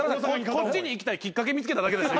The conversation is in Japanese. こっちに行きたいきっかけ見つけただけでしょ。